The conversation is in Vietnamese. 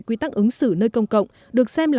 quy tắc ứng xử nơi công cộng được xem là